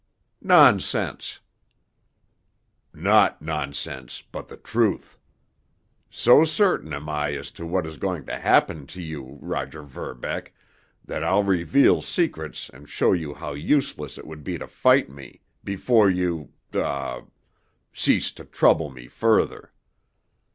"Nonsense." "Not nonsense, but the truth. So certain am I as to what is going to happen to you, Roger Verbeck, that I'll reveal secrets and show you how useless it would be to fight me, before you—er—cease to trouble me further.